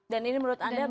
dan ini menurut anda